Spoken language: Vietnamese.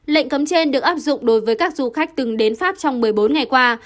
lệnh cấm trên được áp dụng đối với các du khách từng đến pháp trong một mươi bốn ngày qua